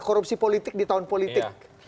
korupsi politik di tahun politik